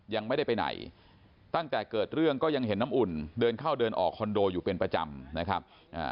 ยังไม่ได้ไปไหนตั้งแต่เกิดเรื่องก็ยังเห็นน้ำอุ่นเดินเข้าเดินออกคอนโดอยู่เป็นประจำนะครับ